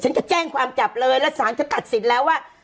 ฉันจะแจ้งความจับเลยแล้วสารฉันตัดสินแล้วว่า